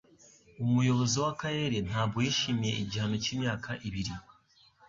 Umuyobozi w'akarere ntabwo yishimiye igihano cy'imyaka ibiri